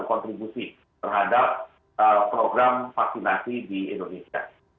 oke selain mengurai ketergantungan pak sebetulnya apa benefit yang bisa diambil pak